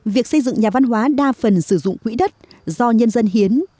việc xây dựng nhà văn hóa đa phần sử dụng quỹ đất do nhân dân hiến